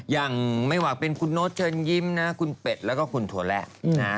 อย่างไม่ว่าเป็นคุณโน๊ตเชิญยิ้มนะคุณเป็ดแล้วก็คุณถั่วแล